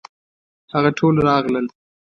هغه ټول راغلل.